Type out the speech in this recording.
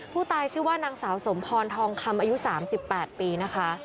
ผู้ตายชื่อว่านางสาวสมพรทองคำอายุ๓๘ปีนะคะ